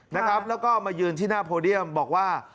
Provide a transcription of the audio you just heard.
แล้วก็มายืนที่หน้าโพเดียมบอกว่า